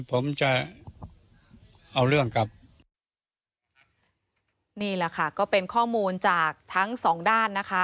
ผมจะเอาเรื่องครับนี่แหละค่ะก็เป็นข้อมูลจากทั้งสองด้านนะคะ